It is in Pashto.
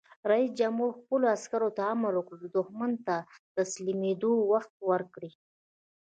رئیس جمهور خپلو عسکرو ته امر وکړ؛ دښمن ته د تسلیمېدو وخت ورکړئ!